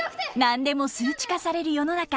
何でも数値化される世の中。